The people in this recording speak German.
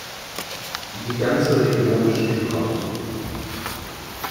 Die ganze Region steht Kopf.